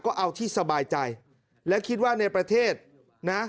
ก็เอาที่สบายใจและคิดว่าในประเทศนะ